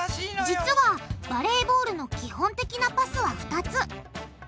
実はバレーボールの基本的なパスは２つ。